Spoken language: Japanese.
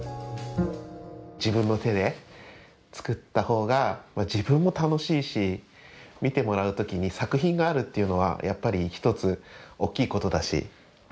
自分の手で作ったほうが自分も楽しいし見てもらう時に作品があるっていうのはやっぱり一つ大きいことだし。